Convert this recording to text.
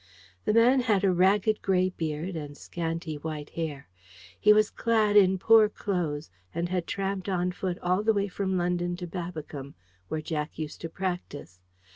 The man had a ragged grey beard and scanty white hair; he was clad in poor clothes, and had tramped on foot all the way from London to Babbicombe, where Jack used to practice.